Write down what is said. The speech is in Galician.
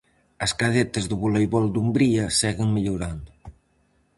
As cadetes do Voleibol Dumbría seguen mellorando.